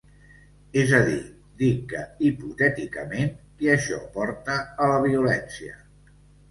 És a dir, dic que hipotèticament que això porta a la violència.